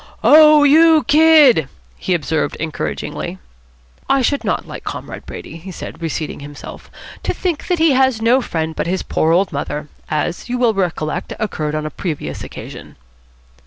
"Oh, you Kid!" he observed encouragingly. "I should not like Comrade Brady," he said, reseating himself, "to think that he has no friend but his poor old mother, as, you will recollect, occurred on a previous occasion."